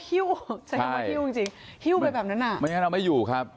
ฮิ้วไปแบบนั้นไม่ให้เราไม่อยู่ครับ